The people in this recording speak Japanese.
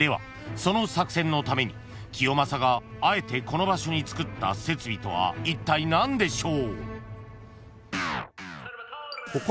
その作戦のために清正があえてこの場所につくった設備とはいったい何でしょう？］